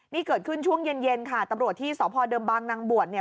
นี่เกิดขึ้นช่วงเย็นเย็นค่ะตำรวจที่สพเดิมบางนางบวชเนี่ย